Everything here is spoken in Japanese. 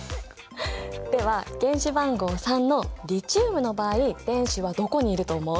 では原子番号３のリチウムの場合電子はどこにいると思う？